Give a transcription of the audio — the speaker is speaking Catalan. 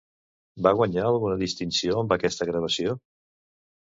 Va guanyar alguna distinció amb aquesta gravació?